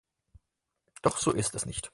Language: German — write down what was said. Doch so ist es nicht.